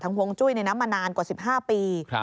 ทางห่วงจุ้ยมานานกว่า๑๕ปี